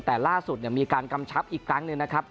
แต่ล่าสุดมีการกำชับอีกครั้งหนึ่งนะครับ